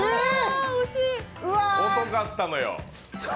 遅かったのよ。